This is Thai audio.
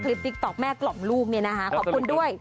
คลิปติ๊กตอบแม่กล่อมลูกขอบคุณด้วย